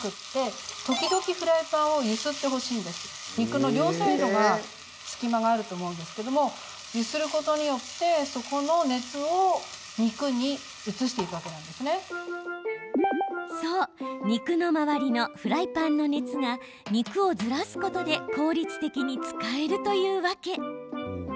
肉の両サイドが隙間があると思うんですけどもそう、肉の周りのフライパンの熱が肉をずらすことで効率的に使えるというわけ。